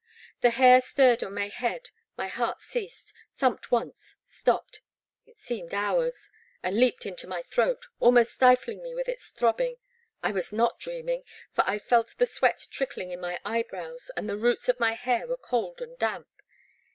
The hair stirred on my head, my heart ceased, thumped once, stopped — it seemed hours, — and leaped into my throat, ahnost stifling me with its throbbing. I was not dreaming, for I felt the sweat trickling in my eyebrows, and the roots of my hair were cold and damp.